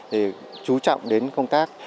để trú trọng đến công tác